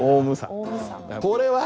これは？